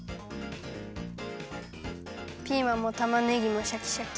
ピーマンもたまねぎもシャキシャキ。